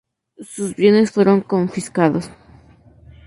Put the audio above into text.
Sus bienes fueron confiscados.